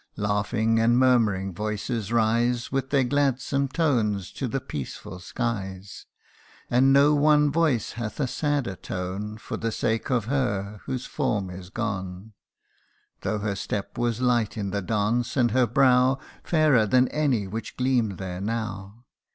Laughing and murmuring voices rise With their gladsome tones, to the peaceful skies : And no one voice hath a sadder tone For the sake of her whose form is gone, Though her step was light in the dance, and her brow Fairer than any which gleam there now.